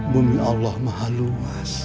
bumi allah mahal luas